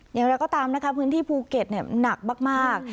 อย่างไรก็ตามนะคะพื้นที่ภูเก็ตหนักมาก